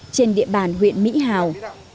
trên địa bàn huyện mỹ hào